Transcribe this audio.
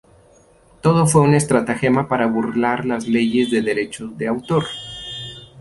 Todo fue una estratagema para burlar las leyes de derecho de autor.